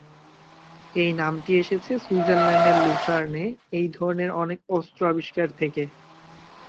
এই নামটি এসেছে সুইজারল্যান্ডের লুসার্নে এই ধরনের অনেক অস্ত্র আবিষ্কার থেকে।